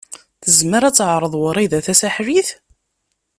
Tezmer ad teɛreḍ Wrida Tasaḥlit?